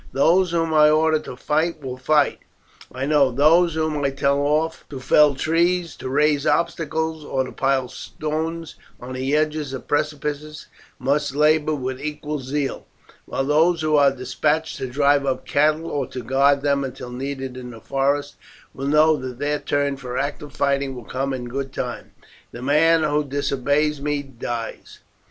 Those whom I order to fight will fight, I know; those whom I tell off to fell trees, to raise obstacles, or to pile stones on the edge of precipices, must labour with equal zeal; while those who are despatched to drive up cattle, or to guard them until needed in the forest, will know that their turn for active fighting will come in good time. The man who disobeys me dies.